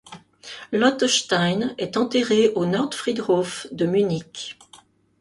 Lotte Stein est enterrée au Nordfriedhof de Munich.